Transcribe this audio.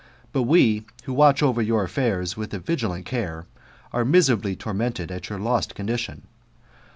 But we, who watch over your affairs with a vigilant care, are miserably tormented at your lost condition.